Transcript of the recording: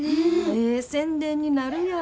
ええ宣伝になるやん。